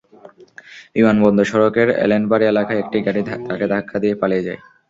বিমানবন্দর সড়কের এলেনবাড়ি এলাকায় একটি গাড়ি তাঁকে ধাক্কা দিয়ে পালিয়ে যায়।